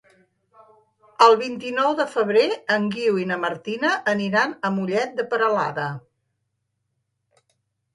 El vint-i-nou de febrer en Guiu i na Martina aniran a Mollet de Peralada.